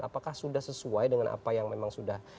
apakah sudah sesuai dengan apa yang memang sudah